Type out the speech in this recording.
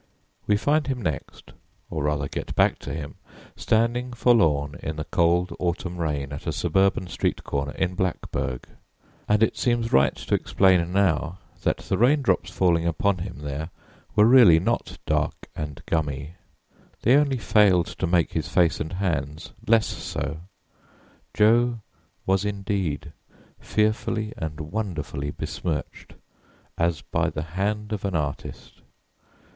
We find him next, or rather get back to him, standing forlorn in the cold autumn rain at a suburban street corner in Blackburg; and it seems right to explain now that the raindrops falling upon him there were really not dark and gummy; they only failed to make his face and hands less so. Jo was indeed fearfully and wonderfully besmirched, as by the hand of an artist.